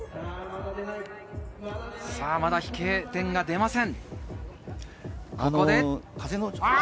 まだ飛型点が出ません。